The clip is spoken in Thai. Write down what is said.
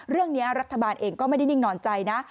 เรื่องนี้รัฐบาลเองก็ไม่ได้นิ่งนอนใจนะ